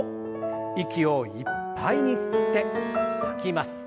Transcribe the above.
息をいっぱいに吸って吐きます。